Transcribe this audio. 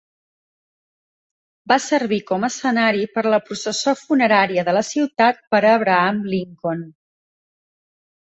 Va servir com a escenari per a la processó funerària de la ciutat per a Abraham Lincoln.